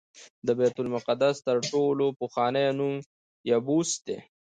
د بیت المقدس تر ټولو پخوانی نوم یبوس دی.